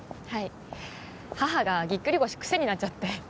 はい母がぎっくり腰癖になっちゃって。